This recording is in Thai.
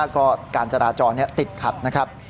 ก็การจราจรติดขัดนะครับ